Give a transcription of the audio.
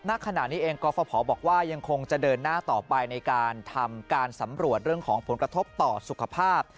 ณขณะนี้เองกรฟภบอกว่ายังคงจะเดินหน้าต่อไปในการทำการสำรวจเรื่องของผลกระทบต่อสุขภาพ